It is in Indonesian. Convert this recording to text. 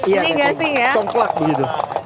ya ini gasing ya conklak begitu